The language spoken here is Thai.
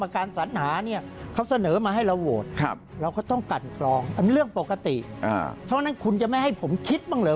ว่าจะต้องโหวตใครนี่ให้ผมคิดบ้างสิ